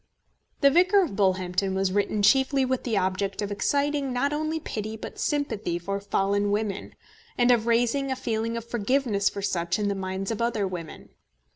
The Vicar of Bullhampton was written chiefly with the object of exciting not only pity but sympathy for a fallen woman, and of raising a feeling of forgiveness for such in the minds of other women.